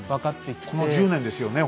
この１０年ですよね